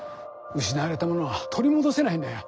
失われたものは取り戻せないんだよ。